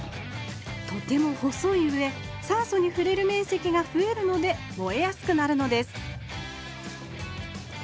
とても細いうえ酸素にふれるめんせきがふえるので燃えやすくなるのです